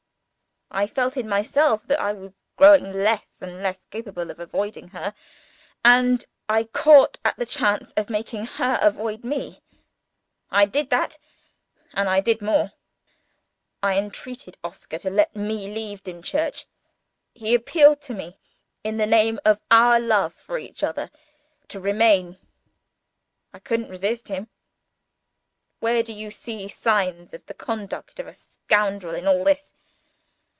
I felt in myself that I was growing less and less capable of avoiding her, and I caught at the chance of making her avoid me; I did that and I did more! I entreated Oscar to let me leave Dimchurch. He appealed to me, in the name of our love for each other, to remain. I couldn't resist him. Where do you see signs of the conduct of a scoundrel in all this?